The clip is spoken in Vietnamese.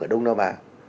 ở đông nam á